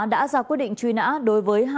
đã ra quyết định truy nã đối với hai nhà dân